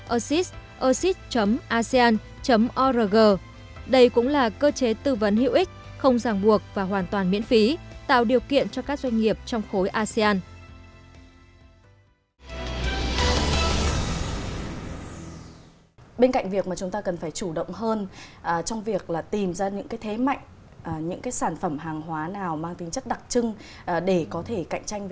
assist asean org đây cũng là cơ chế tư vấn hữu ích không giảng buộc và hoàn toàn miễn phí tạo điều kiện cho các doanh nghiệp trong khối asean